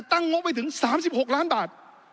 ถ้าชน๓๖ล้านบาท